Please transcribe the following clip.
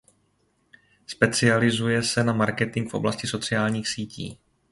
Specializuje se na marketing v oblasti sociálních sítí.